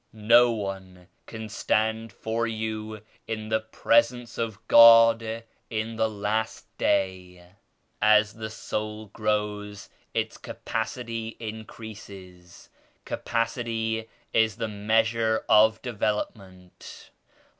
No one can stand for you in the Presence of God in the *Last Day.' As the soul grows, its capacity increases. Ca pacity is the measure of development.